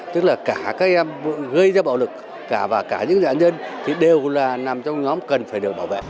tức là cả các em gây ra bạo lực cả và cả những nạn nhân thì đều là nằm trong nhóm cần phải được bảo vệ